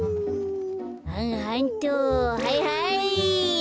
はんはんっとはいはい。